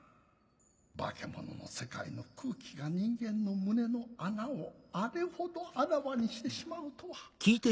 バケモノの世界の空気が人間の胸の穴をあれほどあらわにしてしまうとは。